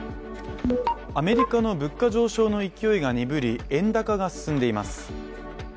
アメリカの物価上昇の勢いがにぶり円高が進んでいます。